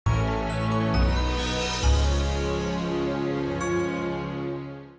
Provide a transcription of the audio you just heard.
mbak fim mbak ngerasa